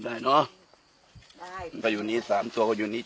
จากฝั่งภูมิธรรมฝั่งภูมิธรรม